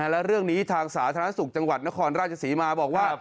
และเรื่องนี้ทางสาธารณสุขจังหวัดนครราชศรีมาบอกว่า